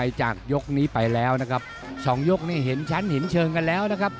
รอบรายเพียงเรื่องที่เห็นเห็นชั้นเร็ว